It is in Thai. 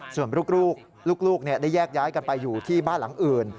ส่วนลูกได้แยกย้ายกันไปอยู่ที่บ้านหลังอื่น